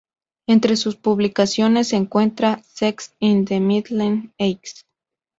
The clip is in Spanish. Entre sus publicaciones se encuentran "Sex in the Middle Ages.